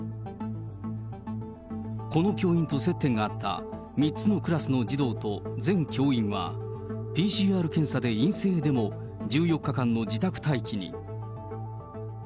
この教員と接点があった３つのクラスの児童と全教員は、ＰＣＲ検査で陰性でも１４日間の自宅待機に。